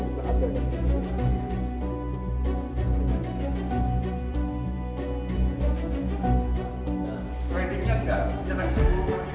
trading nya enggak trading nya enggak